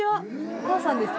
お母さんです。